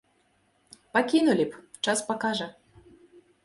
Пакінулі б, час пакажа.